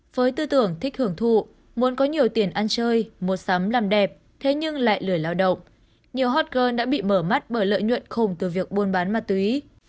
với tư tưởng thích hưởng thụ muốn có nhiều tiền ăn chơi mua sắm làm đẹp thế nhưng lại lười lao động nhiều hot girl đã bị mở mắt bởi lợi nhuận khủng từ việc buôn bán ma túy